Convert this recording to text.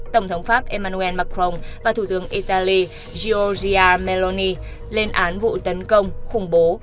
tổng thống pháp emmanuel macron và thủ tướng italy geiojia meloni lên án vụ tấn công khủng bố